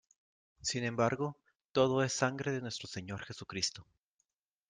sin embargo, todo es sangre de Nuestro Señor Jesucristo.